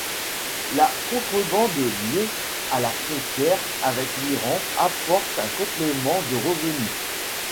La contrebande liée à la frontière avec l'Iran apporte un complément de revenus.